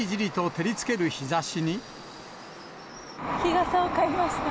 日傘を買いました。